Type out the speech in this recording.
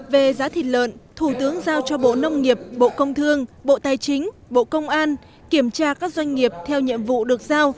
về giá thịt lợn thủ tướng giao cho bộ nông nghiệp bộ công thương bộ tài chính bộ công an kiểm tra các doanh nghiệp theo nhiệm vụ được giao